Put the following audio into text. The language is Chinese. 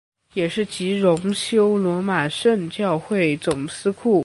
也是及荣休罗马圣教会总司库。